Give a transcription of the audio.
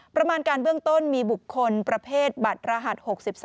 ประมาณการเบื้องต้นมีบุคคลประเภทบัตรรหัส๖๓